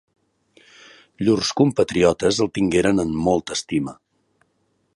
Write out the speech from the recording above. Llurs compatriotes el tingueren en molta estima.